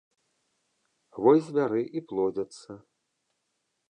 Вось звяры і плодзяцца.